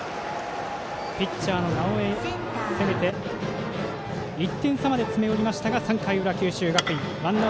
ピッチャーの直江を攻めて１点差まで詰め寄りましたが３回の裏、九州学院。